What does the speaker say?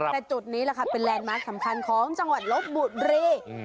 แต่จุดนี้แหละค่ะเป็นแลนดมาร์คสำคัญของจังหวัดลบบุรี